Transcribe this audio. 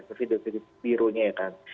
pevindo pevindo birunya ya kan